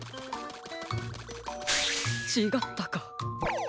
ちがったか。